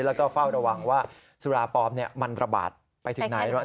แล้วก็เฝ้าระวังว่าสุราปลอมมันระบาดไปถึงไหน